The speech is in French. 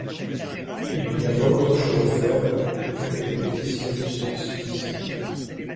Il n’y a pas autre chose à faire! répétait Cyrus Smith.